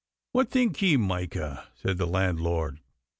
'What think ye, Micah?' said the landlord.